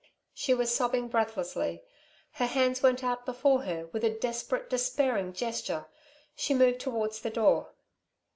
She was sobbing breathlessly; her hands went out before her with a desperate, despairing gesture. She moved towards the door.